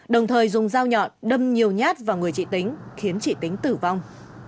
đồng thời dùng dao nhọn đâm nhiều nhát vào người chị tính khiến chị tính tử vong